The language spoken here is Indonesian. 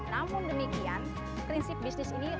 namun demikian prinsip bisnis ini